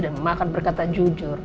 dan juga tentang kebakaran